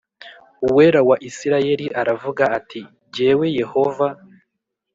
Uwera wa Isirayeli aravuga ati jyewe Yehova